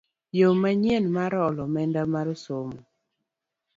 Yo manyien mar holo omenda mar somo